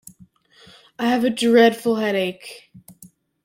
I have a dreadful headache.